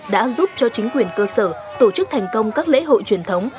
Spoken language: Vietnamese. đã giúp cho chính quyền cơ sở tổ chức thành công các lễ hội truyền thống